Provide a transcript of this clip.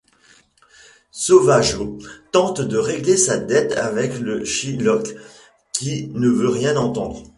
Sauvageau tente de régler sa dette avec le shylock qui ne veut rien entendre.